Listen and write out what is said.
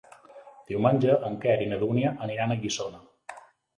Diumenge en Quer i na Dúnia aniran a Guissona.